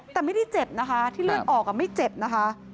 แต่ไม่ได้เจ็บนะคะที่เลือดออกไม่เจ็บนะคะ